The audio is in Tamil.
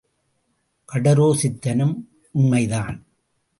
கடோர சித்தனும் உண்மை தான்.